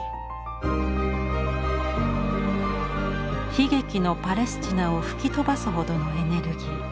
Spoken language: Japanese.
悲劇のパレスチナを吹き飛ばすほどのエネルギー。